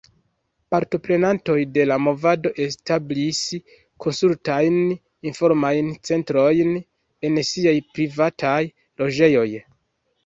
Partoprenantoj de la movado establis konsultajn-informajn centrojn en siaj privataj loĝejoj.